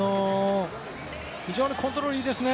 非常にコントロールがいいですね。